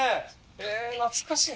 え懐かしい。